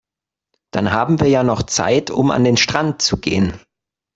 Dann haben wir ja noch Zeit, um an den Strand zu gehen.